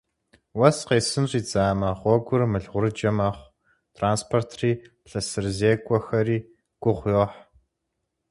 Уэс къесын щӀидзамэ, гъуэгур мылгъурыджэ мэхъу, транспортри лъэсырызекӀуэхэри гугъу йохь.